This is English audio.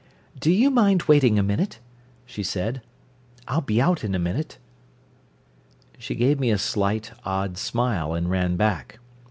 "Do you mind waiting a minute?" she said. "I'll be out in a minute." She gave me a slight, odd smile, and ran back.